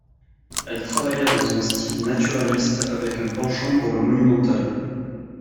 Elle travailla dans un style naturaliste avec un penchant pour le monumental.